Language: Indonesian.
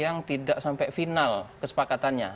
yang tidak sampai final kesepakatannya